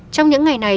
trong những ngày này